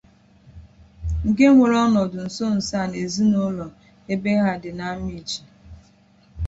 nke weere ọnọdụ nso-nso a n'ezinụlọ be ya dị n'Amichi